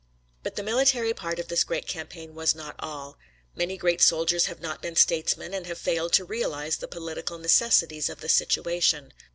But the military part of this great campaign was not all. Many great soldiers have not been statesmen, and have failed to realize the political necessities of the situation.